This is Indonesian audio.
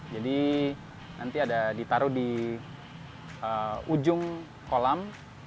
nanti ada ditaruh di ujung kolam